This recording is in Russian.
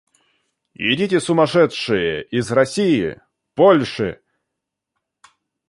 Идите, сумасшедшие, из России, Польши.